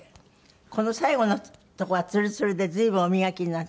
この最後のとこがツルツルで随分お磨きになって。